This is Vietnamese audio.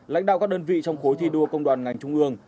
lãnh đạo các đơn vị trong khối thi đua công đoàn ngành trung ương